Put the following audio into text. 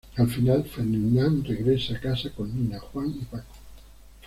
Al final, Ferdinand regresa a casa con Nina, Juan y Paco.